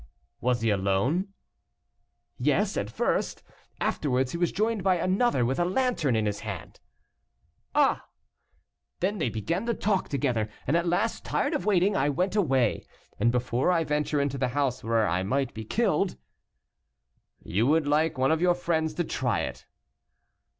"Was he alone?" "Yes, at first. Afterwards he was joined by another, with a lantern in his hand." "Ah!" "Then they began to talk together, and at last, tired of waiting, I went away. And before I venture into the house where I might be killed " "You would like one of your friends to try it."